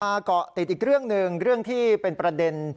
เกาะติดอีกเรื่องหนึ่งเรื่องที่เป็นประเด็น